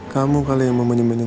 kamu kali yang mau manja manja